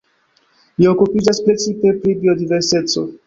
Li okupiĝas precipe pri biodiverseco.